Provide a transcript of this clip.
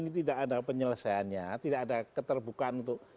ini tidak ada penyelesaiannya tidak ada keterbukaan untuk